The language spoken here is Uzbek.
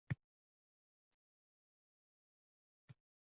Mana ko`rasizlar sudlashib tortib olaman, deb janjal qiladi